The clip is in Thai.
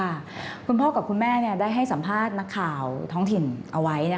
คุณพ่อกับคุณแม่ได้ให้สัมภาษณ์นักข่าวท้องถิ่นเอาไว้นะคะ